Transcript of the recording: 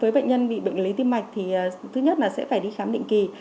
với bệnh nhân bị bệnh lý tim mạch thì thứ nhất là sẽ phải đi khám định kỳ